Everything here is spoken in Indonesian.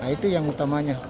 itu yang utamanya